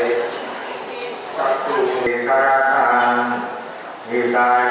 การพุทธศักดาลัยเป็นภูมิหลายการพุทธศักดาลัยเป็นภูมิหลาย